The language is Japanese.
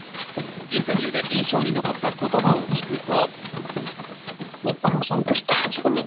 インタビューで印象に残った言葉を聞くと。